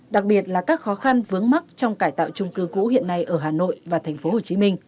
đặc biệt là các khó khăn vướng mắt trong cải tạo trung cư cũ hiện nay ở hà nội và tp hcm